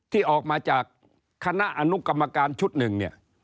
ที่ออกมาจากคณะอนุกรรมการชุดนึง